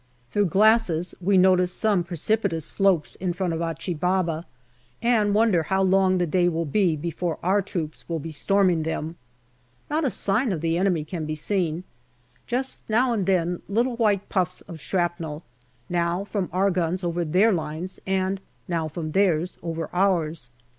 Through glasses we notice some pre cipitous slopes in front of Achi Baba, and wonder how long the day will be before our troops will be storming them. Not a sign of the enemy can be seen : just now and then little white puffs of shrapnel, now from our guns over their lines, and now from theirs over ours.